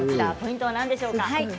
ポイントは何でしょうか？